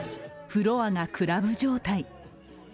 フロアがクラブ状態。